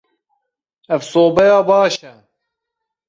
Ev sobeya baş e.